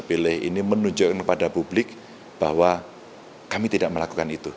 pilih ini menunjukkan kepada publik bahwa kami tidak melakukan itu